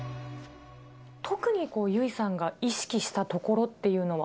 特に由依さんが意識したところっていうのは。